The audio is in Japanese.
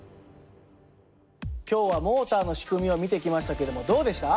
今日はモーターの仕組みを見てきましたけどもどうでした？